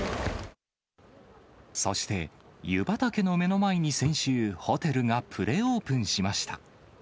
そして、湯畑の目の前に先週ホテルがプレオープンしました。